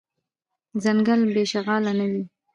ځنګل بی شغاله نه وي .